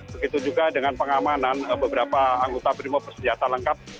begitu juga dengan pengamanan beberapa anggota brimob bersenjata lengkap